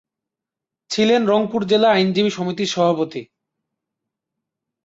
ছিলেন রংপুর জেলা আইনজীবী সমিতির সভাপতি।